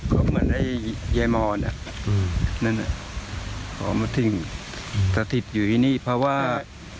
ก็เหมือนไอ้เยมอนอ่ะอืมนั่นอ่ะเขามาทิ้งสถิตย์อยู่ที่นี่เพราะว่า